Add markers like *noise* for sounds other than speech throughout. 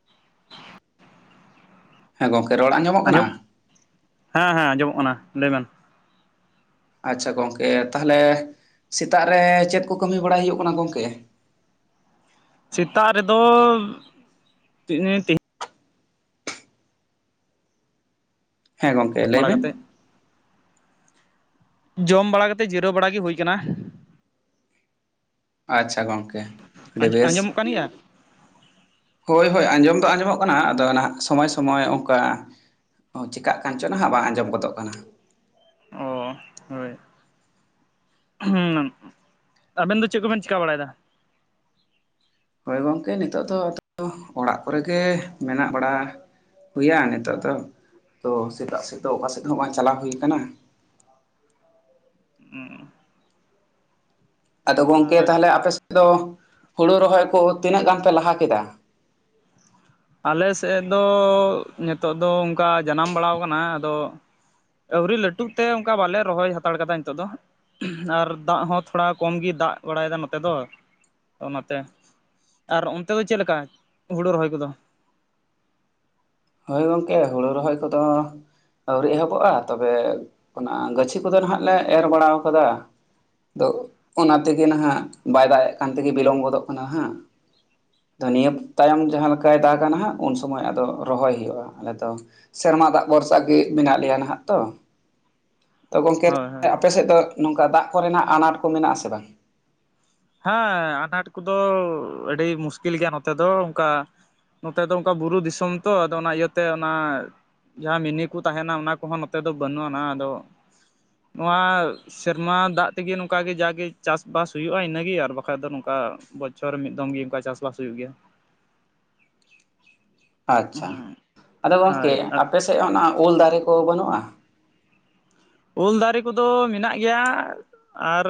*unintelligible* ᱦᱮᱸ ᱜᱚᱝᱠᱮ ᱨᱚᱲ ᱟᱸᱡᱚᱢᱚᱜ ᱠᱟᱱᱟ? ᱟᱸᱡᱚᱢ ᱦᱮᱸ ᱦᱮᱸ ᱟᱸᱡᱚᱢᱚᱜ ᱠᱟᱱᱟ ᱞᱟᱹᱭ ᱢᱮ। ᱟᱪᱪᱷᱟ ᱜᱚᱝᱠᱮ ᱛᱟᱞᱦᱮ ᱥᱮᱛᱟᱜ ᱨᱮ ᱪᱮᱫ ᱠᱚ ᱠᱟᱹᱢᱤ ᱵᱟᱲᱟᱭ ᱦᱩᱭᱩᱜ ᱠᱟᱱᱟ ᱜᱚᱢᱠᱮ? ᱥᱮᱛᱟᱜ ᱨᱮᱫᱚ *unintelligible* ᱦᱮᱸ ᱜᱚᱝᱠᱮ ᱞᱟᱹᱭ ᱵᱟᱲᱟ ᱵᱮᱱ ᱠᱟᱛᱮᱫ ᱡᱚᱢ ᱵᱟᱲᱟ ᱠᱟᱛᱮ ᱡᱤᱨᱟᱹᱣ ᱵᱟᱲᱟ ᱜᱮ ᱦᱩᱭ ᱠᱟᱱᱟ। ᱟᱪᱪᱷᱟ ᱜᱚᱝᱠᱮ ᱟᱹᱰᱤ ᱵᱮᱥ। ᱟᱸᱡᱚᱢᱚᱜ ᱠᱟᱱ ᱜᱮᱭᱟ ᱦᱳᱭ ᱦᱳᱭ ᱟᱸᱡᱚᱢ ᱫᱚ ᱟᱸᱡᱚᱢᱚᱜ ᱠᱟᱱᱟ᱾ ᱟᱫᱚ ᱱᱟᱦᱟᱜ ᱥᱚᱢᱚᱭ ᱥᱚᱢᱚᱭ ᱚᱱᱠᱟ ᱚ ᱪᱮᱠᱟᱜ ᱠᱟᱱ ᱪᱚ ᱱᱟᱦᱟᱜ ᱵᱟᱝ ᱟᱸᱡᱚᱢ ᱜᱚᱫᱚᱜ ᱠᱟᱱᱟ? ᱚ, ᱦᱳᱭ᱾ ᱦᱩᱸ, ᱟᱵᱮᱱ ᱫᱚ ᱪᱮᱫ ᱠᱚᱵᱮᱱ ᱪᱤᱠᱟ ᱵᱟᱲᱟᱭ ᱮᱫᱟ? ᱦᱳᱭ ᱜᱚᱝᱠᱮ, ᱱᱤᱛᱚᱜ ᱫᱚ ᱟᱫᱚ ᱚᱲᱟᱜ ᱠᱚᱨᱮ ᱜᱮ ᱢᱮᱱᱟᱜ ᱵᱟᱲᱟ ᱦᱩᱭᱟ᱾ ᱱᱤᱛᱳᱜ ᱫᱚ ᱛᱚ ᱥᱮᱛᱟᱜ ᱥᱮᱛᱳᱜ ᱫᱚ ᱚᱠᱟ ᱥᱮᱫ ᱦᱚᱸ ᱵᱟᱝ ᱪᱟᱞᱟᱣ ᱦᱩᱭ ᱠᱟᱱᱟ᱾ ᱦᱩᱸ᱾ ᱟᱫᱚ ᱟᱨ ᱜᱚᱝᱠᱮ ᱛᱟᱦᱚᱞᱮ ᱟᱯᱮ ᱥᱮᱫ ᱫᱚ ᱦᱩᱲᱩ ᱨᱚᱦᱚᱭ ᱠᱚ ᱛᱤᱱᱟᱹᱜ ᱜᱟᱱ ᱯᱮ ᱞᱟᱦᱟ ᱠᱮᱫᱟ? ᱟᱞᱮ ᱥᱮᱫ ᱫᱚ ᱱᱤᱛᱚᱜ ᱫᱚ ᱚᱱᱠᱟ ᱡᱟᱱᱟᱢ ᱵᱟᱲᱟᱣ ᱠᱟᱱᱟ᱾ ᱟᱫᱚ ᱟᱹᱣᱨᱤ ᱞᱟᱹᱴᱩᱜ ᱛᱮ, ᱚᱱᱠᱟ ᱵᱟᱞᱮ ᱨᱚᱦᱚᱭ ᱦᱟᱛᱟᱲ ᱠᱟᱫᱟ, ᱱᱤᱛᱚᱜ ᱫᱚ ᱟᱨ ᱫᱟᱜ ᱦᱚᱸ ᱛᱷᱚᱲᱟ ᱠᱚᱢ ᱜᱮ ᱫᱟᱜ ᱵᱟᱲᱟᱭ ᱮᱫᱟ, ᱱᱚᱛᱮ ᱫᱚ ᱚᱱᱟᱛᱮ ᱟᱨ ᱚᱱᱛᱮ ᱫᱚ ᱪᱮᱫ ᱞᱮᱠᱟ ᱦᱩᱲᱩ ᱨᱚᱦᱚᱭ ᱠᱚᱫᱚ? ᱦᱳᱭ, ᱜᱚᱝᱠᱮ ᱦᱩᱲᱩ ᱨᱚᱦᱚᱭ ᱠᱚᱫᱚ ᱟᱹᱣᱨᱤ ᱮᱦᱚᱵᱚᱜᱼᱟ᱾ ᱛᱚᱵᱮ ᱚᱱᱟ ᱜᱟᱹᱪᱷᱤ ᱠᱚᱫᱚ ᱱᱟᱦᱟᱜ ᱞᱮ ᱮᱨ ᱵᱟᱲᱟ ᱟᱠᱟᱫᱟ᱾ ᱟᱫᱚ ᱚᱱᱟ ᱛᱮᱜᱮ ᱱᱟᱦᱟᱜ ᱵᱟᱭ ᱫᱟᱜ ᱮᱜ ᱠᱟᱱ ᱛᱮᱜᱮ ᱵᱤᱞᱚᱢ ᱜᱚᱫᱚᱜ ᱠᱟᱱᱟ ᱦᱟᱸᱜ᱾ ᱛᱚ ᱱᱤᱭᱟᱹ ᱛᱟᱭᱚᱢ ᱡᱟᱦᱟᱸ ᱞᱮᱠᱟᱭ ᱫᱟᱜ ᱠᱟᱱᱟ, ᱦᱟᱸᱜ ᱩᱱ ᱥᱚᱢᱚᱭ ᱟᱫᱚ ᱨᱚᱦᱚᱭ ᱦᱩᱭᱩᱜᱼᱟ᱾ ᱟᱞᱮ ᱫᱚ ᱥᱮᱨᱢᱟ ᱫᱟᱜ ᱵᱷᱚᱨᱥᱟ ᱜᱮ ᱢᱮᱱᱟᱜ ᱞᱮᱭᱟ ᱱᱟᱦᱟᱜ ᱛᱚ᱾ ᱛᱚ ᱜᱚᱢᱠᱮ ᱦᱳᱭ ᱦᱳᱭ ᱟᱯᱮ ᱥᱮᱫ ᱫᱚ ᱱᱚᱝᱠᱟ ᱫᱟᱜ ᱠᱚᱨᱮᱱᱟᱜ ᱟᱱᱟᱴ ᱠᱚ ᱢᱮᱱᱟᱜ ᱟᱥᱮ ᱵᱟᱝ? ᱦᱮᱸ ᱟᱱᱟᱴ ᱠᱚᱫᱚ ᱟᱹᱰᱤ ᱢᱩᱥᱠᱤᱞ ᱜᱮᱭᱟ ᱱᱚᱛᱮ ᱫᱚ ᱚᱱᱠᱟ ᱱᱚᱛᱮ ᱫᱚ ᱚᱱᱠᱟ ᱵᱩᱨᱩ ᱫᱤᱥᱚᱢ ᱛᱚ᱾ ᱟᱫᱚ ᱚᱱᱟ ᱤᱭᱟᱹᱛᱮ ᱚᱱᱟ ᱡᱟᱦᱟᱸ ᱢᱤᱱᱤ ᱠᱚ ᱛᱟᱦᱮᱱᱟ, ᱚᱱᱟ ᱠᱚᱦᱚᱸ ᱱᱚᱛᱮ ᱫᱚ ᱵᱟᱹᱱᱩᱜ ᱟᱱᱟ᱾ ᱟᱫᱚ ᱱᱚᱣᱟ ᱥᱮᱨᱢᱟ ᱫᱟᱜ ᱛᱮᱜᱮ ᱱᱚᱝᱠᱟ ᱜᱮ ᱡᱟᱜᱮ ᱪᱟᱥᱵᱟᱥ ᱦᱩᱭᱩᱜᱼᱟ, ᱤᱱᱟᱹ ᱜᱮ᱾ ᱟᱨ ᱵᱟᱠᱟᱡ ᱫᱚ ᱱᱚᱝᱠᱟ ᱵᱚᱪᱷᱚᱨ ᱨᱮ ᱢᱤᱫ ᱫᱚᱢ ᱜᱮ ᱱᱚᱠᱟ ᱪᱟᱥᱵᱟᱥ ᱦᱩᱭᱩᱜ ᱜᱮᱭᱟ᱾ ᱟᱪᱪᱷᱟ, ᱟᱫᱚ ᱜᱚᱝᱠᱮ ᱦᱳᱭ ᱟᱯᱮᱥᱮᱫ ᱚᱱᱟ ᱩᱞ ᱫᱟᱨᱮ ᱠᱚ ᱵᱟᱹᱱᱩᱜᱼᱟ? ᱩᱞ ᱫᱟᱨᱮ ᱠᱚᱫᱚ ᱢᱮᱱᱟᱜ ᱜᱮᱭᱟ᱾ ᱟᱨ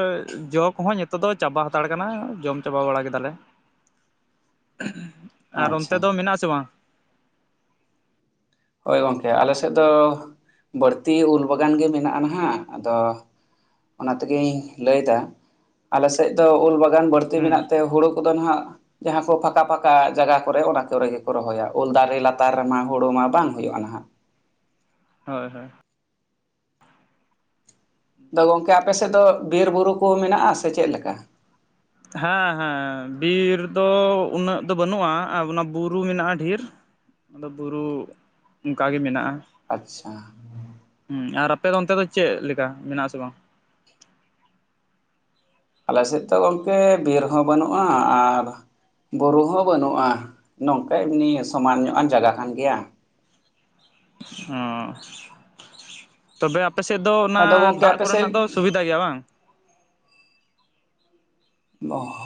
ᱡᱚ ᱠᱚᱦᱚᱸ ᱱᱤᱛᱚᱜ ᱫᱚ ᱪᱟᱵᱟ ᱦᱟᱛᱟᱲ ᱠᱟᱱᱟ ᱡᱚᱢ ᱪᱟᱵᱟ ᱵᱟᱲᱟ ᱠᱮᱫᱟ ᱞᱮ᱾ ᱟᱨ ᱚᱱᱛᱮ ᱟᱪᱪᱷᱟ ᱫᱚ ᱢᱮᱱᱟᱜ ᱟᱥᱮ ᱵᱟᱝ? ᱦᱳᱭ ᱜᱚᱝᱠᱮ ᱟᱞᱮ ᱥᱮᱫ ᱫᱚ ᱵᱟᱹᱲᱛᱤ ᱩᱞ ᱵᱟᱜᱟᱱ ᱜᱮ ᱢᱮᱱᱟᱜᱼᱟ᱾ ᱱᱟᱦᱟᱜ ᱟᱫᱚ ᱚᱱᱟ ᱛᱮᱜᱮᱧ ᱞᱟᱹᱭ ᱮᱫᱟ᱾ ᱟᱞᱮᱥᱮᱫ ᱫᱚ ᱩᱞ ᱵᱟᱜ ᱜᱟᱱ ᱵᱟᱹᱲᱛᱤ ᱦᱮᱸ ᱢᱮᱱᱟᱜ ᱛᱮ ᱦᱩᱲᱩ ᱠᱚᱫᱚ ᱦᱟᱸᱜ ᱡᱟᱦᱟᱸ ᱠᱚ ᱯᱷᱟᱸᱠᱟ-ᱯᱷᱟᱠᱟ ᱡᱟᱭᱜᱟ ᱠᱚᱨᱮ, ᱚᱱᱟ ᱠᱚᱨᱮ ᱜᱮ ᱠᱚ ᱨᱚᱦᱚᱭᱟ ᱩᱞ ᱫᱟᱨᱮ ᱞᱟᱛᱟᱨ ᱨᱮᱢᱟ ᱦᱩᱲᱳ ᱢᱟ ᱵᱟᱝ ᱦᱩᱭᱩᱜᱼᱟ ᱱᱟᱦᱟᱜ᱾ ᱦᱳᱭ, ᱦᱳᱭ᱾ ᱛᱚ ᱜᱚᱢᱠᱮ ᱟᱯᱮ ᱥᱮᱫ ᱫᱚ ᱵᱤᱨ ᱵᱩᱨᱩ ᱠᱚ ᱢᱮᱱᱟᱜᱼᱟ ᱥᱮ ᱪᱮᱫ ᱞᱮᱠᱟ? ᱦᱮᱸ ᱦᱮᱸ ᱵᱤᱨ ᱫᱚ ᱩᱱᱟᱹᱜ ᱫᱚ ᱵᱟᱹᱱᱩᱜᱼᱟ᱾ ᱚᱱᱟ ᱚᱱᱟ ᱵᱩᱨᱩ ᱢᱮᱱᱟᱜᱼᱟ ᱰᱷᱮᱨ᱾ ᱟᱫᱚ ᱵᱩᱨᱩ ᱚᱱᱠᱟ ᱜᱮ ᱢᱮᱱᱟᱜᱼᱟ᱾ ᱟᱪᱪᱷᱟ᱾ ᱦᱩᱸ ᱟᱨ ᱟᱯᱮ ᱫᱚ ᱚᱱᱛᱮ ᱫᱚ ᱪᱮᱫ ᱞᱮᱠᱟ ᱢᱮᱱᱟᱜᱼᱟ ᱟᱥᱮ ᱵᱟᱝ? ᱟᱞᱮ ᱥᱮᱫ ᱫᱚ ᱜᱚᱢᱠᱮ ᱵᱤᱨ ᱦᱚᱸ ᱵᱟᱹᱱᱩᱜᱼᱟ ᱟᱨ ᱵᱩᱨᱩ ᱦᱚᱸ ᱵᱟᱹᱱᱩᱜᱼᱟ, ᱱᱚᱝᱠᱟ ᱮᱢᱱᱤ ᱥᱚᱢᱟᱱ ᱧᱚᱜ ᱟᱱ ᱡᱟᱜᱟ ᱠᱟᱱ ᱜᱮᱭᱟ᱾ ᱦᱚᱸ, ᱛᱚᱵᱮ ᱟᱯᱮ ᱥᱮᱫ ᱫᱚ ᱚᱱᱟ ᱟᱫᱚ ᱜᱚᱝᱠᱮ ᱫᱟᱜ ᱟᱯᱮ ᱥᱮᱫ ᱠᱚᱨᱮᱱᱟᱜ ᱫᱚ ᱥᱩᱵᱤᱫᱷᱟ ᱜᱮᱭᱟ ᱵᱟᱝ?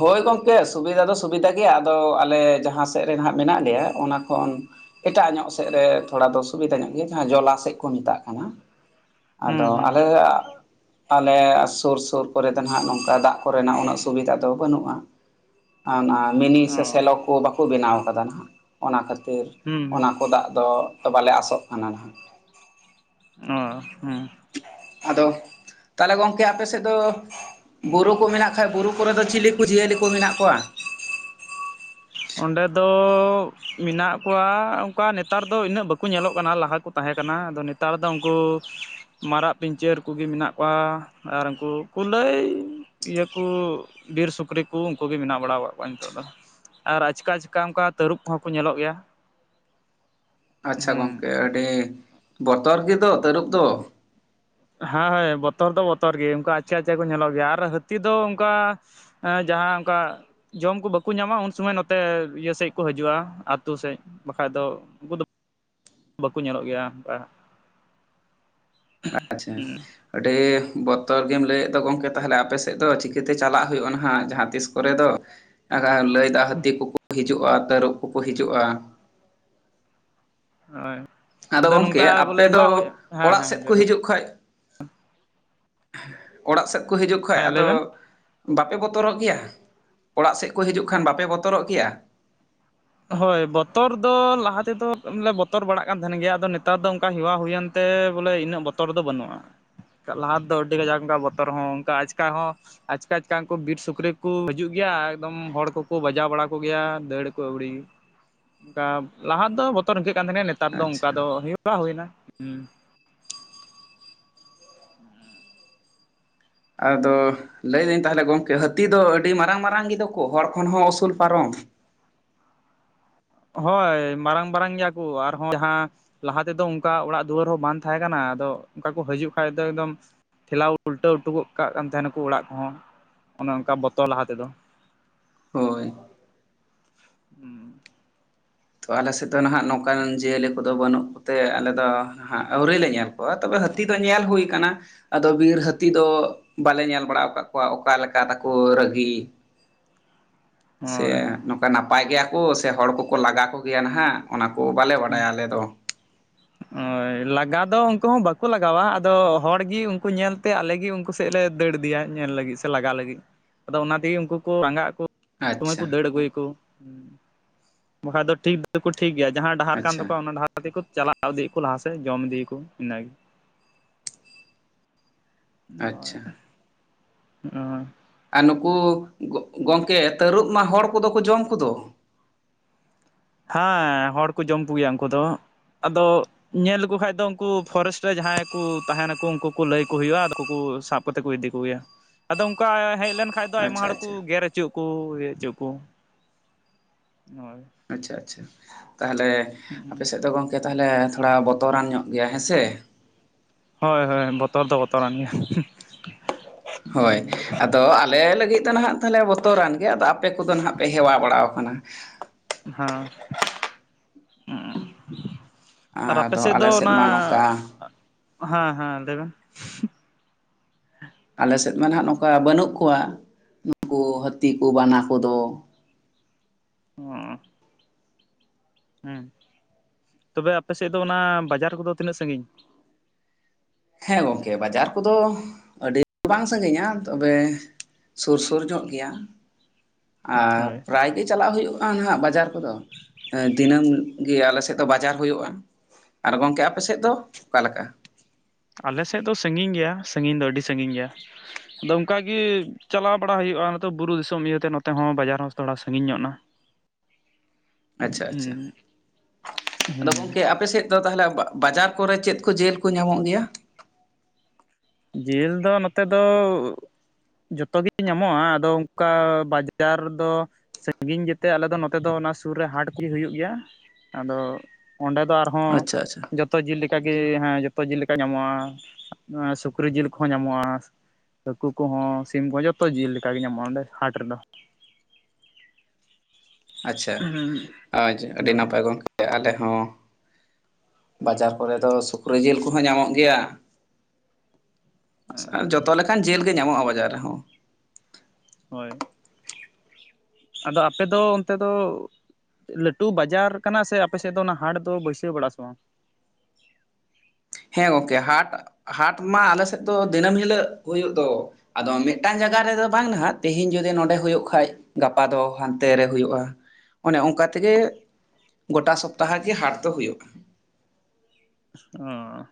ᱦᱳᱭ ᱜᱚᱢᱠᱮ ᱥᱩᱵᱤᱫᱷᱟ ᱫᱚ ᱥᱩᱵᱤᱫᱷᱟ ᱜᱮᱭᱟ᱾ ᱟᱫᱚ ᱟᱞᱮ ᱡᱟᱦᱟᱸ ᱥᱮᱫ ᱨᱮ ᱦᱟ ᱢᱮᱱᱟᱜ ᱞᱮᱭᱟ ᱚᱱᱟ ᱠᱷᱚᱱ ᱮᱴᱟᱜ ᱧᱚᱜ ᱥᱮᱫ ᱨᱮ ᱛᱷᱚᱲᱟ ᱫᱚ ᱥᱩᱵᱤᱫᱟ ᱧᱚᱜ ᱜᱮᱭᱟ᱾ ᱡᱟᱦᱟᱸ ᱡᱚᱞᱟ ᱥᱮᱡ ᱠᱚ ᱢᱮᱛᱟᱜ ᱠᱟᱱᱟ᱾ ᱦᱩᱸ ᱟᱫᱚ ᱦᱩᱸ ᱟᱞᱮᱭᱟᱜ ᱟᱞᱮ ᱥᱩᱨ ᱥᱩᱨ ᱠᱚᱨᱮ ᱫᱚ ᱱᱟᱱᱟᱜ ᱱᱚᱝᱠᱟ ᱫᱟᱜ ᱠᱚᱨᱮᱱᱟᱜ ᱩᱱᱟᱹᱜ ᱥᱩᱵᱤᱫᱟ ᱫᱚ ᱵᱟᱹᱱᱩᱜᱼᱟ ᱚᱱᱟ ᱢᱤᱱᱤ ᱚ ᱥᱮ ᱥᱮᱞᱚ ᱠᱚ ᱵᱟᱠᱚ ᱵᱮᱱᱟᱣ ᱠᱟᱫᱟ ᱱᱟᱦᱟᱜ᱾ ᱚᱱᱟ ᱠᱷᱟᱹᱛᱤᱨ ᱦᱩᱸ ᱚᱱᱟ ᱠᱚ ᱫᱟᱜ ᱫᱚ ᱵᱟᱞᱮ ᱟᱥᱚᱜ ᱠᱟᱱᱟ ᱱᱟᱦᱟᱜ᱾ ᱚ ᱦᱚᱸ᱾ ᱟᱫᱚ ᱛᱟᱞᱦᱮ ᱜᱚᱝᱠᱮ ᱟᱯᱮ ᱥᱮᱫ ᱫᱚ ᱵᱩᱨᱩ ᱠᱚ ᱢᱮᱱᱟᱜ ᱠᱷᱟᱡ ᱵᱩᱨᱩ ᱠᱚᱨᱮ ᱫᱚ ᱪᱤᱞᱤ ᱠᱚ ᱡᱤᱭᱟᱹᱞᱤ ᱠᱚ ᱢᱮᱱᱟᱜ ᱠᱚᱣᱟ? ᱚᱸᱰᱮ ᱫᱚ ᱢᱮᱱᱟᱜ ᱠᱚᱣᱟ ᱚᱱᱠᱟ ᱱᱮᱛᱟᱨ ᱫᱚ ᱤᱱᱟᱹᱜ ᱵᱟᱠᱚ ᱧᱮᱞᱚᱜ ᱠᱟᱱᱟ ᱞᱟᱦᱟ ᱠᱚ ᱛᱟᱦᱮᱸ ᱠᱟᱱᱟ ᱟᱫᱚ ᱱᱮᱛᱟᱨ ᱫᱚ ᱩᱱᱠᱩ ᱢᱟᱨᱟᱜ ᱯᱤᱧᱪᱟᱹᱨ ᱠᱚᱜᱮ ᱢᱮᱱᱟᱜ ᱠᱚᱣᱟ ᱟᱨ ᱩᱱᱠᱩ ᱠᱩᱞᱟᱹᱭ ᱤᱭᱟᱹ ᱠᱚ ᱵᱤᱨ ᱥᱩᱠᱨᱤ ᱠᱚ ᱩᱱᱠᱩ ᱜᱮ ᱢᱮᱱᱟᱜ ᱵᱟᱲᱟᱣ ᱠᱟᱫ ᱠᱚᱣᱟ ᱱᱤᱛᱚᱜ ᱫᱚ᱾ ᱟᱨ ᱟᱪᱠᱟ ᱟᱪᱠᱟ ᱚᱱᱠᱟ ᱛᱟᱹᱨᱩᱵᱽ ᱠᱚᱦᱚᱸ ᱠᱚ ᱧᱮᱞᱚᱜ ᱜᱮᱭᱟ᱾ ᱟᱪᱪᱷᱟ ᱦᱮᱸ ᱜᱚᱝᱠᱮ ᱟᱹᱰᱤ ᱵᱚᱛᱚᱨ ᱜᱮᱫᱚ ᱛᱟᱹᱨᱩᱵ ᱫᱚ᱾ ᱦᱮᱸ ᱦᱳᱭ ᱵᱚᱛᱚᱨ ᱫᱚ ᱵᱚᱛᱚᱨ ᱜᱮ ᱚᱱᱠᱟ ᱟᱪᱪᱮ ᱟᱪᱪᱮ ᱠᱚ ᱧᱮᱞᱚᱜ ᱜᱮᱭᱟ ᱟᱨ ᱦᱟᱹᱛᱤ ᱫᱚ ᱚᱱᱠᱟ ᱦᱮᱸ ᱡᱟᱦᱟᱸ ᱚᱱᱠᱟ ᱡᱚᱢ ᱠᱚ ᱵᱟᱠᱚ ᱧᱟᱢᱟ ᱩᱱ ᱥᱚᱢᱚᱭ ᱱᱚᱛᱮ ᱤᱭᱟᱹ ᱥᱮᱫ ᱠᱚ ᱦᱤᱡᱩᱜᱼᱟ ᱟᱹᱛᱩ ᱥᱮᱫ ᱵᱟᱠᱷᱟᱡ ᱫᱚ ᱩᱱᱠᱩ ᱫᱚ ᱵᱟᱠᱚ ᱧᱮᱞᱚᱜ ᱜᱮᱭᱟ ᱚᱱᱠᱟ᱾ ᱟᱪᱪᱷᱟ᱾ ᱟᱹᱰᱤ ᱵᱚᱛᱚᱨ ᱜᱮᱢ ᱞᱟᱹᱭᱮᱫ ᱫᱚ ᱜᱚᱝᱠᱮ ᱛᱟᱦᱚᱞᱮ ᱟᱯᱮ ᱥᱮᱫ ᱫᱚ ᱪᱤᱠᱟᱹᱛᱮ ᱪᱟᱞᱟᱜ ᱦᱩᱭᱩᱜᱼᱟ ᱱᱟᱦᱟᱸᱜ ᱡᱟᱦᱟᱸ ᱛᱤᱥ ᱠᱚᱨᱮ ᱫᱚ᱾ ᱟᱠᱷᱟ ᱞᱟᱹᱭᱫᱟ ᱦᱟᱹᱛᱤ ᱠᱚᱠᱚ ᱦᱤᱡᱩᱜᱼᱟ ᱛᱟᱹᱨᱩᱵ ᱠᱚᱠᱚ ᱦᱤᱡᱩᱜᱼᱟ᱾ ᱦᱳᱭ ᱟᱫᱚ ᱜᱚᱝᱠᱮ ᱱᱚᱝᱠᱟ ᱵᱚᱞᱮ ᱟᱯᱮ *inaudible* ᱫᱚ ᱦᱩᱭᱩᱜ-ᱟ ᱦᱮᱸ ᱚᱲᱟᱜ ᱥᱮᱫ ᱦᱮᱸ᱾ ᱠᱚ ᱦᱤᱡᱩᱜ ᱠᱷᱚᱡ ᱚᱲᱟᱜ ᱥᱮᱫ ᱠᱚ ᱦᱤᱡᱩᱜ ᱠᱷᱟᱱ ᱦᱮᱸ ᱞᱟᱹᱭ ᱟᱫᱚ ᱵᱮᱱ ᱵᱟᱯᱮ ᱵᱚᱛᱚᱨᱚᱜ ᱜᱮᱭᱟ? ᱚᱲᱟᱜ ᱥᱮᱫ ᱠᱚ ᱦᱤᱡᱩᱜ ᱠᱷᱟᱱ ᱵᱟᱯᱮ ᱵᱚᱛᱚᱨᱚᱜ ᱜᱮᱭᱟ? ᱦᱳᱭ ᱵᱚᱛᱚᱨ ᱫᱚ ᱞᱟᱦᱟ ᱛᱮᱫᱚ ᱞᱮ ᱵᱚᱛᱚᱨ ᱵᱟᱲᱟᱜ ᱠᱟᱱ ᱛᱟᱦᱮᱱ ᱜᱮᱭᱟ ᱟᱫᱚ ᱱᱮᱛᱟᱨ ᱫᱚ ᱚᱱᱠᱟ ᱦᱮᱣᱟ ᱦᱩᱭᱮᱱ ᱛᱮ ᱵᱚᱞᱮ ᱤᱱᱟᱹᱜ ᱵᱚᱛᱚᱨ ᱫᱚ ᱵᱟᱹᱱᱩᱜᱼᱟ, ᱞᱟᱦᱟ ᱫᱚ ᱟᱹᱰᱤ ᱠᱟᱡᱟᱠ ᱚᱱᱠᱟ ᱵᱚᱛᱚᱨ ᱦᱚᱸ ᱚᱱᱠᱟ ᱟᱪᱠᱟ ᱦᱚᱸ ᱟᱪᱠᱟ ᱟᱪᱠᱟ ᱩᱱᱠᱩ ᱵᱤᱨ ᱥᱩᱠᱨᱤ ᱠᱚ ᱦᱤᱡᱩᱜ ᱜᱮᱭᱟ ᱟᱨ ᱮᱠᱫᱚᱢ ᱦᱚᱲ ᱠᱚᱠᱚ ᱵᱟᱡᱟᱣ ᱵᱟᱲᱟ ᱠᱚᱜᱮᱭᱟ ᱫᱟᱹᱲ ᱟᱹᱣᱲᱤ, ᱚᱱᱠᱟ ᱞᱟᱦᱟ ᱫᱚ ᱵᱚᱛᱚᱨ ᱤᱠᱟᱹᱜ ᱠᱟᱱ ᱛᱟᱦᱮᱸ ᱱᱮᱛᱟᱨ ᱫᱚ ᱚᱱᱠᱟ ᱫᱚ ᱟᱪᱪᱷᱟ ᱦᱩᱭᱩᱜ ᱠᱟ ᱦᱩᱭᱮᱱᱟ᱾ ᱟᱫᱚ ᱞᱟᱹᱭ ᱫᱟᱹᱧ ᱛᱟᱦᱚᱞᱮ ᱜᱚᱝᱠᱮ ᱦᱟᱹᱛᱤ ᱫᱚ ᱟᱹᱰᱤ ᱢᱟᱨᱟᱝ ᱢᱟᱨᱟᱝ ᱜᱮᱫᱚ ᱠᱚ ᱦᱚᱲ ᱠᱷᱚᱱ ᱦᱚᱸ ᱩᱥᱩᱞ ᱯᱟᱨᱚᱢ᱾ ᱦᱳᱭ ᱢᱟᱨᱟᱝ ᱢᱟᱨᱟᱝ ᱜᱮᱭᱟ ᱠᱚ ᱟᱨᱦᱚᱸ ᱡᱟᱦᱟᱸ ᱞᱟᱦᱟ ᱛᱮᱫᱚ ᱚᱱᱠᱟ ᱚᱲᱟᱜ ᱫᱩᱣᱟᱹᱨ ᱦᱚᱸ ᱵᱟᱝ ᱛᱟᱦᱮᱸ ᱠᱟᱱᱟ ᱟᱫᱚ ᱚᱱᱠᱟ ᱠᱚ ᱦᱤᱡᱩᱜ ᱠᱷᱟᱡ ᱫᱚ ᱮᱠᱫᱚᱢ ᱴᱷᱮᱞᱟᱣ ᱩᱞᱴᱟᱹᱣ ᱦᱚᱴᱚ ᱜᱚᱫ ᱠᱟᱜ ᱠᱟᱱ ᱛᱟᱦᱮᱱᱟᱠᱚ ᱚᱲᱟᱜ ᱠᱚᱦᱚᱸ ᱚᱱᱮ ᱚᱱᱠᱟ ᱵᱚᱛᱚᱨ ᱞᱟᱦᱟ ᱛᱮᱫᱚ᱾ ᱦᱳᱭ᱾ ᱦᱩᱸ᱾ ᱛᱚ ᱟᱞᱮ ᱥᱮᱫ ᱫᱚ ᱱᱟᱦᱟᱜ ᱱᱚᱝᱠᱟᱱ ᱡᱤᱭᱟᱹᱞᱤ ᱠᱚᱫᱚ ᱵᱟᱹᱱᱩᱜ ᱠᱚᱛᱮ ᱟᱞᱮ ᱫᱚ ᱦᱟᱸᱜ ᱟᱹᱣᱨᱟᱹᱭ ᱞᱮ ᱧᱮᱞ ᱠᱚᱣᱟ ᱛᱚᱵᱮ ᱦᱟᱹᱛᱤ ᱫᱚ ᱧᱮᱞ ᱦᱩᱭ ᱟᱠᱟᱱᱟ, ᱟᱫᱚ ᱵᱤᱨ ᱦᱟᱹᱛᱤ ᱫᱚ ᱵᱟᱞᱮ ᱧᱮᱞ ᱵᱟᱲᱟ ᱟᱠᱟᱫ ᱠᱚᱣᱟ, ᱚᱠᱟ ᱞᱮᱠᱟ ᱛᱟᱠᱚ ᱨᱟᱹᱜᱤ? ᱥᱮ ᱦᱳᱭ ᱱᱚᱝᱠᱟ ᱱᱟᱯᱟᱭ ᱜᱮᱭᱟ ᱠᱚ ᱥᱮ ᱦᱚᱲ ᱠᱚᱠᱚ ᱞᱟᱜᱟ ᱠᱚᱜᱮᱭᱟ ᱱᱟᱦᱟᱜ᱾ ᱚᱱᱟ ᱠᱚ ᱵᱟᱞᱮ ᱵᱟᱰᱟᱭᱟ ᱟᱞᱮ ᱫᱚ᱾ ᱦᱳᱭ ᱞᱟᱜᱟ ᱫᱚ ᱩᱱᱠᱩ ᱦᱚᱸ ᱵᱟᱠᱚ ᱞᱟᱜᱟᱣᱟ ᱟᱫᱚ ᱦᱚᱲ ᱜᱤ ᱩᱱᱠᱩ ᱧᱮᱞᱛᱮ ᱟᱞᱮᱜᱮ ᱩᱱᱠᱩ ᱥᱮᱫ ᱞᱮ ᱫᱟᱹᱲ ᱤᱫᱭᱟ ᱧᱮᱞ ᱞᱟᱹᱜᱤᱫ ᱥᱮ ᱞᱟᱜᱟ ᱞᱟᱹᱜᱤᱫ ᱟᱫᱚ ᱚᱱᱟ ᱛᱮᱜᱮ ᱩᱱᱠᱩ ᱠᱚ ᱨᱟᱸᱜᱟ ᱟᱠᱚ᱾ ᱥᱚᱢᱚᱭ ᱟᱪᱪᱷᱟ ᱠᱚ ᱫᱟᱹᱲ ᱟᱹᱜᱩᱭᱟᱠᱚ ᱵᱟᱠᱟᱡ ᱫᱚ ᱴᱷᱤᱠ ᱫᱚ ᱴᱷᱤᱠ ᱜᱮᱭᱟ ᱡᱟᱦᱟᱸ ᱰᱟ ᱠᱟᱱ ᱟᱪᱪᱷᱟ ᱛᱟᱠᱚᱣᱟ ᱚᱱᱟ ᱰᱟᱦᱟ ᱛᱮᱠᱚ ᱪᱟᱞᱟᱣ ᱤᱫᱤ ᱟᱠᱚ ᱞᱟᱦᱟ ᱥᱮᱫ ᱡᱚᱢ ᱤᱫᱤᱭᱟᱠᱚ ᱤᱱᱟᱹ ᱜᱮ᱾ ᱦᱳᱭ ᱟᱪᱪᱷᱟ ᱮ ᱟᱨ ᱱᱩᱠᱩ ᱜᱚᱢᱠᱮ ᱛᱟᱹᱨᱩᱵ ᱢᱟ ᱦᱚᱲ ᱠᱚᱫᱚ ᱠᱚ ᱡᱚᱢ ᱠᱚᱫᱚ᱾ ᱦᱮᱸ ᱦᱚᱲᱠᱩ ᱡᱚᱢ ᱠᱚᱜᱮᱭᱟ ᱩᱱᱠᱩ ᱫᱚ ᱟᱫᱚ᱾ ᱧᱮᱞ ᱞᱮᱠᱩ ᱠᱷᱟᱡ ᱫᱚ ᱩᱱᱠᱩ ᱯᱷᱚᱨᱮᱥᱴ ᱨᱮ ᱡᱟᱸᱦᱟᱭ ᱠᱩ ᱛᱟᱦᱮᱱᱟᱠᱩ ᱩᱱᱠᱩ ᱠᱩ ᱞᱟᱹᱭ ᱟᱠᱩ ᱦᱩᱭᱩᱜᱼᱟ ᱟᱫᱚ ᱩᱱᱠᱩ ᱠᱩ ᱥᱟᱵ ᱠᱚᱛᱮ ᱠᱚ ᱤᱫᱤ ᱠᱚᱜᱮᱭᱟ ᱟᱫᱚ ᱚᱱᱠᱟ ᱦᱮᱡ ᱞᱮᱱ ᱠᱷᱟᱡ ᱫᱚ ᱟᱭᱢᱟ ᱟᱪᱪᱷᱟ ᱦᱚᱲ ᱠᱩ ᱟᱪᱪᱷᱟ ᱜᱮᱨ ᱦᱚᱪᱩᱜ ᱟᱠᱩ ᱦᱮᱜ ᱚᱪᱩ ᱟᱠᱩ ᱦᱳᱭ᱾ ᱟᱪᱪᱷᱟ ᱟᱪᱪᱷᱟ ᱛᱟᱦᱞᱮ ᱟᱯᱮ ᱥᱮᱫ ᱫᱚ ᱜᱚᱝ ᱠᱮ ᱛᱟᱦᱞᱮ ᱛᱷᱚᱲᱟ ᱵᱚᱛᱚᱨᱟᱱ ᱧᱚᱜ ᱜᱮᱭᱟ ᱦᱮᱸ ᱥᱮ᱾ ᱦᱚᱭ ᱦᱚᱭ ᱵᱚᱛᱚᱨ ᱫᱚ ᱵᱚᱛᱚᱨᱟᱱ ᱜᱮᱭᱟ᱾ ᱦᱳᱭ ᱟᱫᱚ ᱟᱞᱮ ᱞᱟᱹᱜᱤᱫ ᱫᱚ ᱱᱟᱦᱟᱜ ᱛᱟᱦᱞᱮ ᱵᱚᱛᱚᱨᱟᱱ ᱜᱮ ᱟᱫᱚ ᱟᱯᱮ ᱠᱚᱫᱚ ᱱᱷᱟᱦ ᱯᱮ ᱦᱮᱣᱟ ᱵᱟᱲᱟᱟᱣ ᱠᱟᱱᱟ᱾ ᱦᱚ ᱩᱸ᱾ ᱟᱨ ᱟᱯᱮ ᱟᱫᱚ ᱥᱮᱜ ᱫᱚ ᱟᱞᱮ ᱥᱮᱫ ᱚᱱᱟ ᱢᱟ ᱱᱚᱝᱠᱟ ᱦᱮᱸ ᱦᱮᱸ ᱞᱟᱹᱭ ᱢᱮ᱾ ᱟᱞᱮ ᱥᱮᱫ ᱢᱟ ᱱᱷᱟᱜ ᱱᱚᱝᱠᱟ ᱵᱟᱹᱱᱩᱜ ᱠᱚᱣᱟ ᱱᱩᱠᱩ ᱦᱟᱹᱛᱤ ᱠᱩ ᱵᱟᱱᱟ ᱠᱚᱫᱚ᱾ ᱚᱸ᱾ ᱦᱩᱸ ᱛᱚᱵᱮ ᱟᱯᱮ ᱥᱮᱫ ᱫᱚ ᱚᱱᱟ ᱵᱟᱡᱟᱨ ᱠᱚᱫᱚ ᱛᱤᱱᱟᱹᱜ ᱥᱟᱹᱜᱤᱧ᱾ ᱦᱮᱸ ᱜᱚᱢᱠᱮ ᱵᱟᱡᱟᱨ ᱠᱚᱫᱚ ᱟᱹᱰᱤ ᱵᱟᱝ ᱥᱟᱹᱜᱤᱧᱟ ᱛᱚᱵᱮ᱾ ᱥᱩᱨ ᱥᱩᱨ ᱧᱚᱜ ᱜᱮᱭᱟ ᱟᱨ ᱦᱳᱭ ᱯᱨᱟᱭ ᱜᱤ ᱪᱟᱞᱟᱜ ᱦᱳᱭᱳᱜ ᱠᱟᱱ ᱦᱟᱸᱜ ᱵᱟᱡᱟᱨ ᱠᱚᱫᱚ ᱫᱤᱱᱟᱹᱢ ᱜᱤ ᱟᱞᱮ ᱥᱮᱫ ᱫᱚ ᱵᱟᱡᱟᱨ ᱦᱳᱭᱳᱜᱼᱟ᱾ ᱟᱨ ᱜᱚᱝᱠᱮ ᱟᱯᱮ ᱥᱮᱫ ᱫᱚ ᱚᱠᱟ ᱞᱮᱠᱟ᱾ ᱟᱞᱮ ᱥᱮᱫ ᱫᱚ ᱥᱟᱹᱜᱤᱧ ᱜᱮᱭᱟ ᱥᱟᱹᱜᱤᱧ ᱫᱚ ᱟᱹᱰᱤ ᱥᱟᱹᱜᱤᱧ ᱜᱮᱭᱟ᱾ ᱟᱫᱚ ᱚᱱᱠᱟ ᱜᱤ ᱪᱟᱞᱟᱣ ᱵᱟᱲᱟ ᱦᱩᱭᱩᱜᱼᱟ ᱱᱚᱛᱮ ᱵᱩᱨᱩ ᱫᱤᱥᱚᱢ ᱤᱭᱟᱹᱛᱮ ᱱᱚᱛᱮ ᱦᱚᱸ ᱵᱟᱡᱟᱨ ᱦᱚᱸ ᱛᱷᱚᱲᱟ ᱥᱟᱺᱜᱤᱧ ᱧᱚᱜ ᱱᱟ᱾ ᱟᱪ-ᱪᱷᱟ ᱟᱪᱪᱷᱟ ᱦᱩᱸ ᱟᱫᱚ ᱦᱩᱸ ᱜᱚᱝᱠᱮ ᱟᱯᱮ ᱥᱮᱫ᱾ ᱫᱚ ᱛᱟᱦᱞᱮ ᱵᱟ ᱵᱟᱡᱟᱨ ᱠᱚᱨᱮ ᱪᱮᱫ ᱠᱚ ᱡᱮᱞ ᱠᱚ ᱧᱟᱢᱚᱜ ᱜᱮᱭᱟ? ᱡᱮᱞ ᱫᱚ ᱱᱚᱛᱮ ᱫᱚ᱾ ᱡᱷᱚᱛᱚ ᱜᱤ ᱧᱟᱢᱚᱜ-ᱟ ᱟᱫᱚ ᱚᱱᱠᱟ ᱵᱟᱡᱟᱨ ᱨᱮᱫᱚ᱾ ᱥᱟᱺᱜᱤᱧ ᱜᱮᱛᱮ ᱟᱞᱮ ᱫᱚ ᱱᱚᱛᱮ ᱫᱚ ᱚᱱᱟ ᱥᱩᱨ ᱨᱮ ᱦᱟᱴ ᱜᱤ ᱦᱩᱭᱩᱜ ᱜᱮᱭᱟ ᱟᱫᱚ ᱚᱸᱰᱮ ᱫᱚ ᱟᱨ᱾ ᱦᱚᱸ ᱟᱪᱪᱷᱟ ᱟᱪᱪᱷᱟ ᱡᱚᱛᱚ ᱡᱤᱞ ᱞᱮᱠᱟ ᱜᱤ ᱦᱮᱸ ᱡᱚᱛᱚ ᱡᱤᱞ ᱞᱮᱠᱟ ᱧᱟᱢᱚᱜ-ᱟ ᱥᱩ ᱥᱩᱠᱨᱤ ᱡᱤᱞ ᱠᱚᱦᱚᱸ ᱧᱟᱢᱚᱜᱼᱟ᱾ ᱦᱟᱹᱠᱩ ᱠᱚᱦᱚᱸ ᱥᱤᱢ ᱠᱚᱦᱚᱸ ᱡᱷᱚᱛᱚ ᱡᱤᱞ ᱞᱮᱠᱟ ᱜᱤ ᱧᱟᱢᱚᱜᱼᱟ ᱚᱸᱰᱮ ᱦᱟᱴ ᱨᱮᱫᱚ᱾ ᱟᱪᱪᱷᱟ ᱟᱪᱷᱟ ᱟᱹᱰᱤ ᱱᱟᱯᱟᱭ ᱜᱚᱝᱠᱮ ᱟᱞᱮ ᱦᱚᱸ᱾ ᱵᱟᱡᱟᱨ ᱠᱚᱨᱮ ᱫᱚ ᱥᱩᱠᱨᱤ ᱡᱤᱞ ᱠᱩᱦᱚᱸ ᱧᱟᱢᱚᱜ ᱜᱮᱭᱟ᱾ ᱡᱷᱚᱛᱚ ᱞᱮᱠᱟᱱ ᱡᱮᱞ ᱜᱮ ᱧᱟᱢᱚᱜ-ᱟ ᱵᱟᱡᱟᱨ ᱨᱮᱦᱚᱸ᱾ ᱦᱳᱭ ᱟᱫᱚ ᱟᱯᱮ ᱫᱚ ᱚᱱᱛᱮ ᱫᱚ᱾ ᱞᱟᱹᱴᱩ ᱵᱟᱡᱟᱨ ᱠᱟᱱᱟ ᱥᱮ ᱟᱯᱮ ᱥᱮᱫ ᱫᱚ ᱚᱱᱟ ᱦᱟᱴ ᱫᱚ ᱵᱟᱹᱭᱥᱟᱹᱣ ᱵᱟᱲᱟᱜ-ᱟ ᱥᱮ ᱵᱟᱝ? ᱦᱮᱸ ᱜᱚᱝᱠᱮ ᱦᱟᱴ ᱦᱟᱴ ᱢᱟ ᱟᱞᱮ ᱥᱮᱫ ᱫᱚ ᱫᱤᱱᱟᱹᱢ ᱦᱤᱞᱟᱹᱜ ᱦᱳᱭᱳᱜ ᱫᱚ᱾ ᱟᱫᱚ ᱢᱮᱜᱴᱟᱝ ᱡᱟᱜᱟ ᱨᱮᱫᱚ ᱵᱟᱝ ᱱᱷᱟᱜ ᱛᱮᱦᱮᱧ ᱡᱚᱫᱤ ᱱᱚᱸᱰᱮ ᱦᱩᱭᱩᱜ ᱠᱷᱟᱡ᱾ ᱜᱟᱯᱟ ᱫᱚ ᱦᱟᱱᱛᱮ ᱨᱮ ᱦᱳᱭᱳᱜᱼᱟ ᱚᱱᱮ ᱚᱱᱠᱟ ᱛᱮᱜᱮ᱾ ᱜᱚᱴᱟ ᱥᱚᱯᱛᱟᱦᱚ ᱜᱮ ᱦᱟᱴ ᱫᱚ ᱦᱳᱭᱳᱜ-ᱟ᱾ ᱚ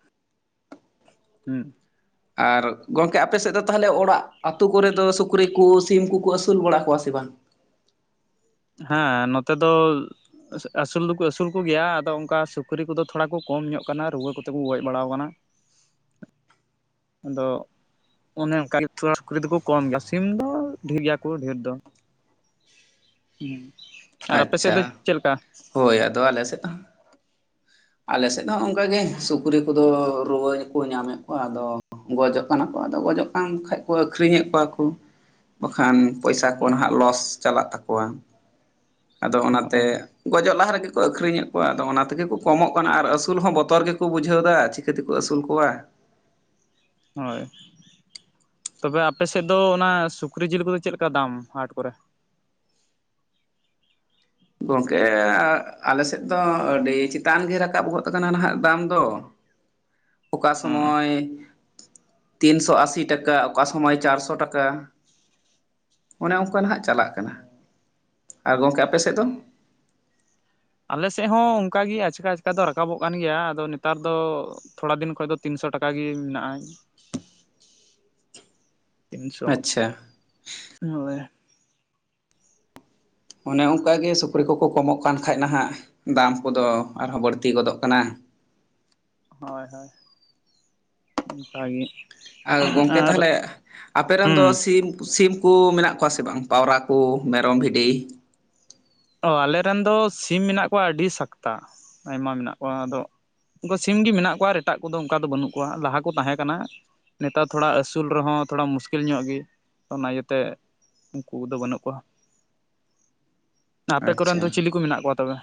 ᱦᱩᱸ᱾ ᱟᱨ ᱜᱚᱝᱠᱮ ᱟᱯᱮ ᱥᱮᱫ ᱫᱚ ᱛᱟᱦᱞᱮ ᱚᱲᱟᱜ ᱟᱛᱩ ᱠᱚᱨᱮ ᱫᱚ ᱥᱩᱠᱨᱤ ᱠᱩ ᱥᱤᱢ ᱠᱩᱠᱩ ᱟᱥᱩᱞ ᱵᱟᱲᱟ ᱠᱚᱣᱟ ᱥᱮ ᱵᱟᱝ? ᱦᱮᱸ ᱱᱚᱛᱮ ᱫᱚ᱾ ᱟᱹᱥᱩᱞ ᱫᱩᱠᱩ ᱟᱹᱥᱩᱞ ᱠᱩ ᱜᱮᱭᱟ, ᱟᱫᱚ ᱚᱱᱠᱟ ᱥᱩᱠᱨᱤ ᱠᱚᱫᱚ ᱛᱷᱚᱲᱟ ᱠᱚ ᱠᱚᱢ ᱧᱚᱜ ᱠᱟᱱᱟ ᱨᱩᱣᱟᱹ ᱠᱚᱛᱮ ᱠᱚ ᱜᱚᱡ ᱵᱟᱲᱟᱣ ᱟᱠᱟᱱᱟ᱾ ᱟᱫᱚ᱾ ᱚᱱᱮ ᱚᱱᱠᱟ ᱛᱷᱚᱲᱟ ᱥᱩᱠᱨᱤ ᱫᱚᱠᱚ ᱠᱚᱢ ᱜᱮᱭᱟ, ᱥᱤᱢ ᱫᱚ ᱰᱷᱮᱨ ᱜᱮᱭᱟ ᱠᱩ ᱰᱷᱮᱨ ᱫᱚ᱾ ᱦᱩᱸ᱾ ᱟᱨ ᱟᱯᱮ ᱥᱮᱫ ᱟᱪ-ᱪᱷᱟ ᱫᱚ ᱪᱮᱫ ᱞᱮᱠᱟ? ᱦᱳᱭ ᱟᱫᱚ ᱟᱞᱮ ᱥᱮᱫ ᱦᱚᱸ᱾ ᱟᱞᱮ ᱥᱮᱫ ᱦᱚᱸ ᱚᱱᱠᱟ ᱜᱮ ᱥᱩᱠᱨᱤ ᱠᱚᱫᱚ ᱨᱩᱣᱟᱹ ᱠᱚ ᱧᱟᱢᱮᱫ ᱠᱚᱣᱟ, ᱟᱫᱚ ᱜᱚᱡᱚᱜ ᱠᱟᱱᱟ ᱠᱚ, ᱟᱫᱚ ᱜᱚᱡᱚᱜ ᱠᱟᱱ ᱠᱷᱟᱡ ᱠᱚ ᱟᱹᱠᱷᱨᱤᱧ ᱮᱫ ᱠᱚᱣᱟ ᱠᱚ ᱵᱟᱠᱷᱟᱱ ᱯᱚᱭᱥᱟᱹ ᱠᱚ ᱱᱟᱦᱟᱜ ᱞᱚᱥ ᱪᱟᱞᱟᱜ ᱛᱟᱠᱚᱣᱟ ᱾ ᱟᱫᱚ ᱚᱱᱟ ᱛᱮᱼᱼ ᱦᱳᱭ ᱜᱚᱡᱚᱜ ᱞᱟᱦᱟ ᱨᱮ ᱜᱮ ᱠᱚ ᱟᱹᱠᱷᱨᱤᱧ ᱮᱫ ᱠᱚᱣᱟ ᱾ ᱟᱫᱚ ᱚᱱᱟ ᱛᱮᱜᱮ ᱠᱚ ᱠᱚᱢᱚᱜ ᱠᱟᱱᱟ ᱟᱨ ᱟᱹᱥᱩᱞ ᱦᱚᱸ ᱵᱚᱛᱚᱨ ᱜᱮᱠᱚ ᱵᱩᱡᱷᱟᱹᱣ ᱮᱫᱟ ᱪᱤᱠᱟᱹ ᱛᱮᱠᱚ ᱟᱹᱥᱩᱞ ᱠᱚᱣᱟ? ᱦᱳᱭ ᱾ ᱛᱚᱵᱮ ᱟᱯᱮ ᱥᱮᱫ ᱫᱚ ᱚᱱᱟ ᱥᱩᱠᱨᱤ ᱡᱤᱞ ᱠᱚᱫᱚ ᱪᱮᱫ ᱞᱮᱠᱟ ᱫᱟᱢ ᱦᱟᱴ ᱠᱚᱨᱮ? ᱜᱚᱝᱠᱮ ᱟᱞᱮ ᱥᱮᱫ ᱫᱚ ᱟᱹᱰᱤ ᱪᱮᱛᱟᱱ ᱜᱮ ᱨᱟᱠᱟᱵ ᱜᱚᱫ ᱟᱠᱟᱱᱟ ᱱᱟᱜ ᱫᱟᱢ ᱫᱚ ᱾ ᱚᱠᱟ ᱚ ᱥᱚᱢᱚᱭᱼᱼ ᱛᱤᱱᱥᱚ ᱟᱥᱤ ᱴᱟᱠᱟ ᱚᱠᱟ ᱥᱚᱢᱚᱭ ᱪᱟᱨᱥᱚ ᱴᱟᱠᱟ? ᱚᱱᱮ ᱚᱱᱠᱟ ᱱᱟᱦᱟᱸᱜ ᱪᱟᱞᱟᱜ ᱠᱟᱱᱟ ᱾ ᱟᱨ ᱜᱚᱝᱠᱮ ᱟᱯᱮ ᱥᱮᱫ ᱫᱚ? ᱚ ᱟᱞᱮ ᱥᱮᱫ ᱦᱚᱸᱼᱼ ᱚᱱᱠᱟ ᱜᱮ ᱟᱪᱠᱟ ᱟᱪᱠᱟ ᱫᱚ ᱨᱟᱠᱟᱵᱚᱜ ᱠᱟᱱ ᱜᱮᱭᱟ, ᱟᱫᱚ ᱱᱮᱛᱟᱨ ᱫᱚ ᱛᱷᱚᱲᱟ ᱫᱤᱱ ᱠᱷᱚᱱ ᱫᱚ ᱛᱤᱱᱥᱚ ᱴᱟᱠᱟ ᱜᱮ ᱢᱮᱱᱟᱜᱼᱟ ᱾ *inaudible* ᱛᱤᱱᱥᱚ ᱟᱪᱪᱷᱟ ᱦᱳᱭ ᱾ ᱚᱱᱮ ᱚᱱᱠᱟ ᱜᱮ ᱥᱩᱠᱨᱤ ᱠᱚᱠᱚ ᱠᱚᱢᱚᱜ ᱠᱟᱱ ᱠᱷᱟᱡ ᱱᱟᱦᱟᱜ ᱫᱟᱢ ᱠᱚᱫᱚ ᱟᱨᱦᱚᱸ ᱵᱟᱹᱲᱛᱤ ᱜᱚᱫᱚᱜ ᱠᱟᱱᱟ ᱾ ᱦᱳᱭ ᱦᱳᱭ, ᱚᱱᱠᱟ ᱜᱮ ᱾ ᱟᱨ ᱜᱚᱝᱠᱮ ᱛᱟᱦᱚᱞᱮ ᱟᱯᱮ ᱨᱮᱱ ᱫᱚ ᱦᱩᱸ ᱥᱤᱢᱼᱼ ᱥᱤᱢ ᱠᱚ ᱢᱮᱱᱟᱜ ᱠᱚᱣᱟ ᱥᱮ ᱵᱟᱝ? ᱯᱟᱣᱨᱟ ᱠᱚ ᱢᱮᱨᱚᱢ, ᱵᱷᱤᱰᱤ ᱾ ᱚ, ᱟᱞᱮ ᱨᱮᱱ ᱫᱚ ᱥᱤᱢ ᱢᱮᱱᱟᱜ ᱠᱚᱣᱟ ᱟᱹᱰᱤ ᱥᱟᱠᱛᱟ ᱟᱭᱢᱟ ᱢᱮᱱᱟᱜ ᱠᱚᱣᱟ ᱟᱫᱚᱼᱼ ᱩᱱᱠᱩ ᱥᱤᱢ ᱜᱮ ᱢᱮᱱᱟᱜ ᱠᱚᱣᱟ, ᱮᱴᱟᱜ ᱠᱚᱫᱚ ᱚᱱᱠᱟ ᱫᱚ ᱵᱟᱹᱱᱩᱜ ᱠᱚᱣᱟ ᱞᱟᱦᱟ ᱠᱚ ᱛᱟᱦᱮᱸ ᱠᱟᱱᱟ ᱾ ᱱᱮᱛᱟᱨ ᱛᱷᱚᱲᱟ ᱟᱹᱥᱩᱞ ᱨᱮ ᱦᱚᱸ ᱛᱷᱚᱲᱟ ᱢᱩᱥᱠᱤᱞ ᱧᱚᱜ ᱜᱮ ᱚᱱᱟ ᱤᱭᱟᱹ ᱛᱮ ᱾ ᱩᱱᱠᱩ ᱠᱚᱫᱚ ᱵᱟᱹᱱᱩᱜ ᱠᱚᱣᱟ ᱾ ᱟᱯᱮ ᱠᱚᱨᱮᱱ ᱫᱚ ᱟᱪᱪᱷᱟ ᱪᱤᱞᱤ ᱠᱚ ᱢᱮᱱᱟᱜ ᱠᱚᱣᱟ ᱛᱚᱵᱮ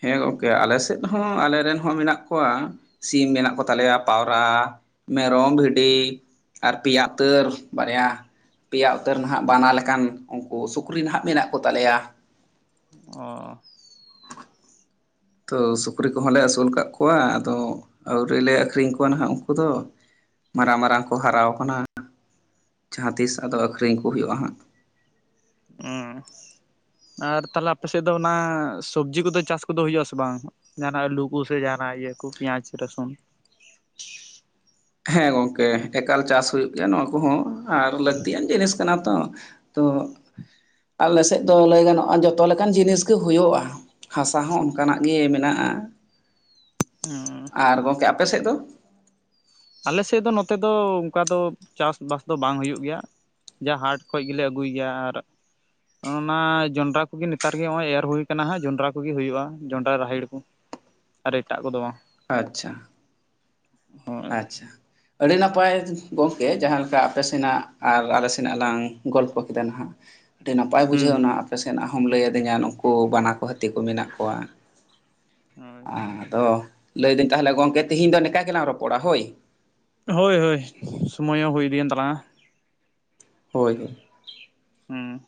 ᱦᱮᱸ ᱜᱚᱝᱠᱮ ᱟᱞᱮ ᱥᱮᱫ ᱦᱚᱸ ᱟᱞᱮ ᱨᱮᱱ ᱦᱚᱸ ᱢᱮᱱᱟᱜ ᱠᱚᱣᱟ ᱥᱤᱢ ᱢᱮᱱᱟᱜ ᱠᱚᱛᱟᱞᱮᱭᱟ ᱯᱟᱹᱣᱨᱟ ᱢᱮᱨᱚᱢ ᱵᱷᱤᱰᱤ ᱟᱨ ᱯᱮᱭᱟ ᱩᱛᱟᱹᱨ ᱵᱟᱨᱭᱟ ᱯᱮᱭᱟ ᱩᱛᱟᱹᱨ ᱱᱷᱟᱜ ᱵᱟᱱᱟ ᱞᱮᱠᱟᱱ ᱩᱱᱠᱩ ᱥᱩᱠᱨᱤ ᱱᱷᱟᱜ ᱢᱮᱱᱟᱜ ᱠᱚ ᱛᱟᱞᱮᱭᱟ ᱚᱻ ᱛᱚ ᱥᱩᱠᱨᱤ ᱠᱚ ᱦᱚᱸ ᱞᱮ ᱟᱹᱥᱩᱞ ᱠᱟᱜ ᱠᱚᱣᱟ ᱟᱫᱚ ᱟᱹᱣᱨᱤᱞᱮ ᱟᱹᱠᱷᱨᱤᱧ ᱠᱚᱣᱟ ᱱᱷᱟᱜ ᱩᱱᱠᱩ ᱫᱚ ᱢᱟᱨᱟᱝ ᱢᱟᱨᱟᱝ ᱠᱚ ᱦᱟᱨᱟᱣ ᱠᱟᱱᱟ ᱡᱟᱦᱟᱸ ᱛᱤᱥ ᱟᱫᱚ ᱚ ᱟᱹᱠᱷᱨᱤᱧ ᱠᱚ ᱦᱩᱭᱩᱜᱼᱟ ᱦᱟᱸᱜ ᱚᱸ ᱟᱨ ᱛᱟᱞᱦᱮ ᱟᱯᱮ ᱥᱮᱫ ᱫᱚ ᱚᱱᱟ ᱥᱚᱵᱽᱡᱤ ᱠᱚᱫᱚ ᱪᱟᱥ ᱠᱚᱫᱚ ᱦᱩᱭᱩᱜ ᱟᱥᱮ ᱵᱟᱝ ᱡᱟᱦᱟᱸᱱᱟᱜ ᱟᱹᱞᱩ ᱠᱚᱥᱮ ᱡᱟᱦᱟᱸᱱᱟᱜ ᱤᱭᱟᱹ ᱠᱚ ᱯᱮᱸᱭᱟᱡ ᱨᱟᱹᱥᱩᱱ *inaudible* ᱦᱮᱸ ᱜᱚᱝᱠᱮ ᱮᱠᱟᱞ ᱪᱟᱥ ᱦᱩᱭᱩᱜ ᱜᱮᱭᱟ ᱱᱚᱣᱟ ᱠᱚᱦᱚᱸ ᱟᱨ ᱞᱟᱹᱠᱛᱤᱭᱟᱱ ᱡᱤᱱᱤᱥ *unintelligible* ᱟᱞᱮ ᱥᱮᱫ ᱫᱚ ᱞᱟᱹᱭ ᱜᱟᱱᱚᱜ-ᱟ ᱡᱚᱛᱚ ᱞᱮᱠᱟᱱ ᱡᱤᱱᱤᱥ ᱜᱮ ᱦᱩᱭᱩᱜᱼᱟ ᱦᱟᱥᱟ ᱦᱚᱸ ᱚᱱᱠᱟ ᱱᱟᱜ ᱜᱮ ᱢᱮᱱᱟᱜᱼᱟ ᱦᱚᱸ ᱟᱨ ᱜᱚᱝᱠᱮ ᱟᱯᱮ ᱥᱮᱫ ᱫᱚᱼᱼ ᱟᱞᱮ ᱥᱮᱫ ᱫᱚ ᱱᱚᱛᱮ ᱫᱚ ᱚᱱᱠᱟ ᱫᱚ ᱪᱟᱥ ᱵᱟᱥ ᱫᱚ ᱵᱟᱝ ᱦᱩᱭᱩᱜ ᱜᱮᱭᱟ ᱡᱟ ᱦᱟᱴ ᱠᱷᱚᱡ ᱜᱮᱞᱮ ᱟᱹᱜᱩᱭ ᱜᱮᱭᱟ ᱟᱨ ᱚᱱᱟ ᱡᱚᱱᱰᱨᱟ ᱠᱚᱜᱮ ᱱᱮᱛᱟᱨ ᱜᱮ ᱱᱚᱜ- ᱚᱭ ᱮᱨ ᱦᱩᱭ ᱟᱠᱟᱱᱟ ᱦᱟᱸᱜ ᱡᱚᱸᱰᱨᱟ ᱠᱚᱜᱮ ᱦᱩᱭᱩᱜᱼᱟ ᱡᱚᱸᱰᱨᱟ ᱨᱟᱦᱮᱲ ᱠᱚ ᱟᱨ ᱮᱴᱟᱜ ᱠᱚ ᱫᱚ ᱵᱟᱝ ᱟᱪᱪᱷᱟ ᱟᱪᱪᱷᱟ᱾ ᱟᱹᱰᱤ ᱱᱟᱯᱟᱭ ᱜᱚᱝᱠᱮ ᱡᱟᱦᱟᱸ ᱞᱮᱠᱟ ᱟᱯᱮ ᱥᱮᱱᱟᱜ ᱟᱨ ᱟᱞᱮ ᱥᱮᱱᱟᱜ ᱞᱟᱝ ᱜᱚᱞᱯᱷᱚ ᱠᱮᱫᱟ ᱱᱟᱦᱟᱸᱜ ᱟᱹᱰᱤ ᱱᱟᱯᱟᱭ ᱦᱩᱸ ᱵᱩᱡᱷᱟᱹᱣ ᱦᱩᱸ ᱮᱱᱟ ᱟᱯᱮ ᱥᱮᱱᱟᱜ ᱦᱚᱢ ᱞᱟᱹᱭ ᱟᱹᱫᱤᱧᱟ ᱱᱩᱠᱩ ᱵᱟᱱᱟ ᱠᱚ ᱦᱟᱹᱛᱤ ᱠᱚ ᱢᱮᱱᱟᱜ ᱠᱚᱣᱟ᱾ ᱦᱳᱭ ᱟᱫᱚ ᱞᱟᱹᱭᱫᱟᱹᱧ ᱛᱟᱦᱞᱮ ᱜᱚᱝᱠᱮ ᱛᱤᱦᱤᱧ ᱫᱚ ᱱᱮᱝᱠᱟ ᱜᱮᱞᱟᱝ ᱨᱚᱯᱚᱲᱟ ᱦᱳᱭ ᱦᱳᱭ ᱦᱳᱭ ᱥᱚᱢᱚᱭ ᱦᱚᱸ ᱦᱩᱭᱤᱫᱤᱭᱮᱱ ᱛᱟᱞᱟᱝᱼᱟ᱾ ᱦᱳᱭ ᱦᱚᱭ ᱦᱩᱸ